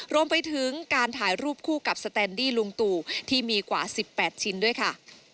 รวมไปถึงการถ่ายรูปคู่กับสแตนดี้ลุงตู่ที่มีกว่า๑๘ชิ้นด้วยค่ะ